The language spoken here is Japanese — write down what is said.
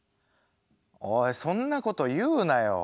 おいそんなこと言うなよ。